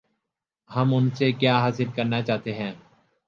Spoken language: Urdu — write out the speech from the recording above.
ہم ان سے کیا حاصل کرنا چاہتے ہیں؟